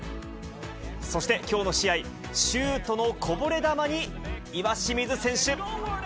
そして、きょうの試合、シュートのこぼれ球に、岩清水選手。